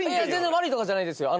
悪いとかじゃないですよ。